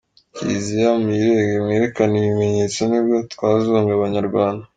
Kiliziya muyirege mwerekane ibimenyetso nibwo twazunga abanyarwanda.